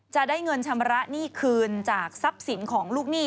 จะได้เงินชำระหนี้คืนจากทรัพย์สินของลูกหนี้